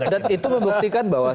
dan itu membuktikan bahwa